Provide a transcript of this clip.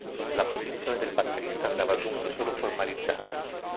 La posizione del batterista andava dunque solo formalizzata.